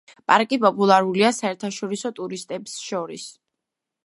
პარკი პოპულარულია საერთაშორისო ტურისტებს შორის.